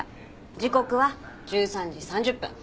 時刻は１３時３０分。